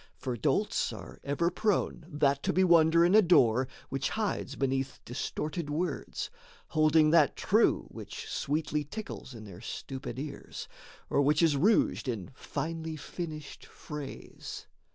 For dolts are ever prone That to bewonder and adore which hides Beneath distorted words, holding that true Which sweetly tickles in their stupid ears, Or which is rouged in finely finished phrase.